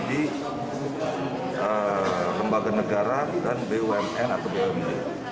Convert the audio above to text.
di lembaga negara dan bumn atau bumn